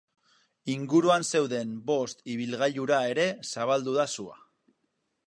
Inguruan zeuden bost ibilgailura ere zabaldu da sua.